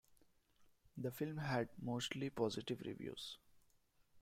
The film had mostly positive reviews.